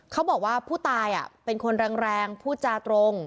เขาบอกว่าผู้ตายอ่ะเป็นคนแรงแรงผู้จาตรง